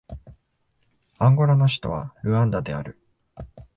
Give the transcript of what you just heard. アンゴラの首都はルアンダである